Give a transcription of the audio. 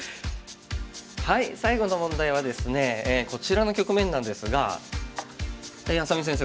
最後の問題はですねこちらの局面なんですが愛咲美先生